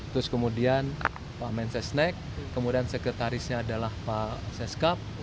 terus kemudian pak mensesnek kemudian sekretarisnya adalah pak seskap